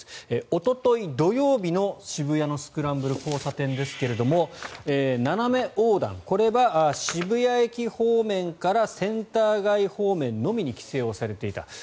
おととい、土曜日の渋谷のスクランブル交差点ですが斜め横断、これは渋谷駅方面からセンター街方面のみに規制されていた。